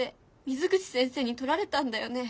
水口先生にとられたんだよね？